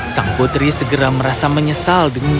sang putri segera merasa menyesal dan menangis